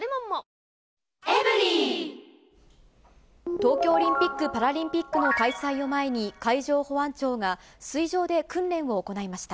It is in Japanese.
東京オリンピック・パラリンピックの開催を前に、海上保安庁が、水上で訓練を行いました。